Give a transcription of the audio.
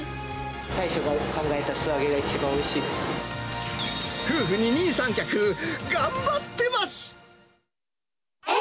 大将が考えた素揚げが一番お夫婦二人三脚、頑張ってます。